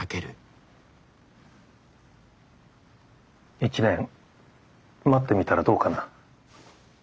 １年待ってみたらどうかな？